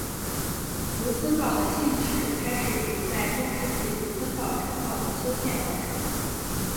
卢森堡的信史开始于在中世纪卢森堡城堡的修建完成。